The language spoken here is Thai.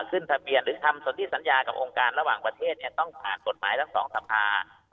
ขึ้นทะเบียนหรือทำส่วนที่สัญญากับองค์การระหว่างประเทศเนี่ยต้องผ่านกฎหมายทั้งสองสภา